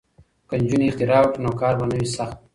که نجونې اختراع وکړي نو کار به نه وي سخت.